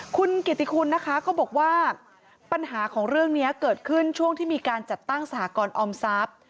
คุณกิติคุณนะคะก็บอกว่าปัญหาของเรื่องนี้เกิดขึ้นช่วงที่มีการจัดตั้งสหกรออมทรัพย์